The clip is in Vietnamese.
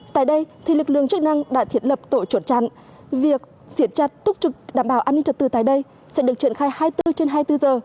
tại đây lực lượng chức năng đã thiết lập tổ chốt chặn việc siết chặt túc trực đảm bảo an ninh trật tự tại đây sẽ được triển khai hai mươi bốn trên hai mươi bốn giờ